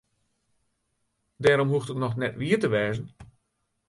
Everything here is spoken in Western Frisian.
Dêrom hoecht it noch net wier te wêzen.